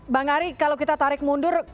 bang ari kalau kita tarik mundur